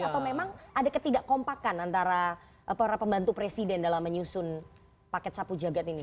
atau memang ada ketidak kompakan antara para pembantu presiden dalam menyusun paket sapu jagat ini